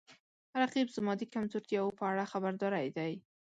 رقیب زما د کمزورتیاو په اړه خبرداری دی